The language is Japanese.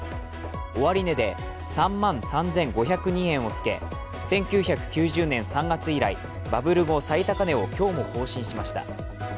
終値で３万３５０２円をつけ１９９０年３月以来、バブル後最高値を今日も更新しました。